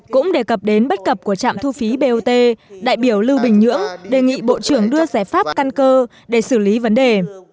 cũng đề cập đến bất cập của trạm thu phí bot đại biểu lưu bình nhưỡng đề nghị bộ trưởng đưa giải pháp căn cơ để xử lý vấn đề